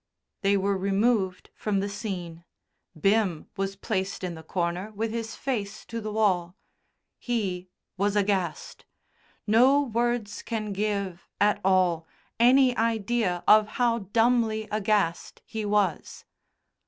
They were removed from the scene. Bim was placed in the corner with his face to the wall. He was aghast; no words can give, at all, any idea of how dumbly aghast he was.